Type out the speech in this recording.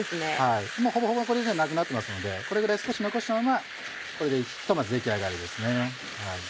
もうほぼほぼこれでなくなってますのでこれぐらい少し残したままひとまず出来上がりですね。